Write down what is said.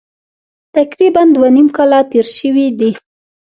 تقریبا دوه نیم کاله تېر شوي دي.